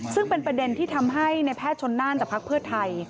ซึ่งเป็นประเด็นที่ทำให้ในแพทย์ชนน่านจากภักดิ์เพื่อไทย